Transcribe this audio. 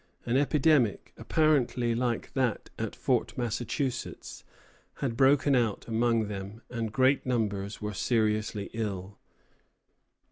An epidemic, apparently like that at Fort Massachusetts, had broken out among them, and great numbers were seriously ill.